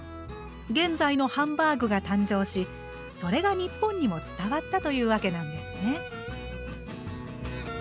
現在のハンバーグが誕生しそれが日本にも伝わったというわけなんですね。